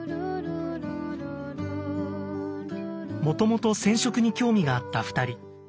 もともと染色に興味があった２人。